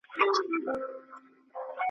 ما د خضر پر چینه مړي لیدلي ,